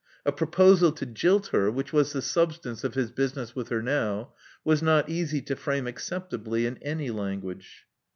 A proposal to jilt her, which was the substance of his business with her now, was not easy to frame acceptably in any language.